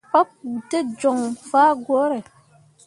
Papou te joŋ fah gwǝǝre.